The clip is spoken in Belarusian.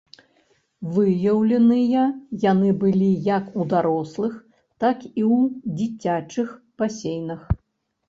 Выяўленыя яны былі як у дарослых, так і ў дзіцячых басейнах.